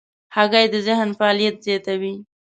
هګۍ د ذهن فعالیت زیاتوي.